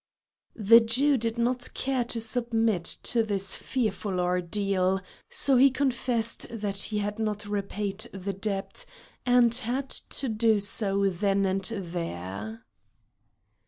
The Jew did not care to submit to this fearful ordeal, so he confessed that he had not repaid the debt, and had to do so then and there.